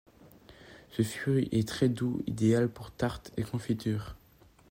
Ce fruit est très doux, idéal pour tartes et confitures.